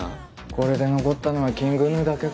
これで残ったのはＫｉｎｇＧｎｕだけか。